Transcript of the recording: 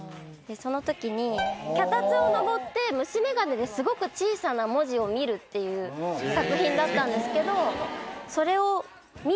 その時に脚立を上って虫眼鏡ですごく小さな文字を見るっていう作品だったんですけど。